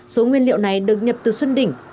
số nguyên liệu này được nhập từ xuân đỉnh